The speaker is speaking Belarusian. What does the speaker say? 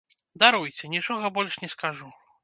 Даруйце, нічога больш не скажу.